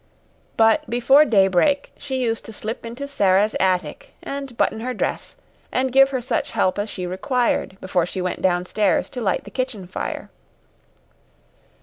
But before daybreak she used to slip into Sara's attic and button her dress and give her such help as she required before she went downstairs to light the kitchen fire.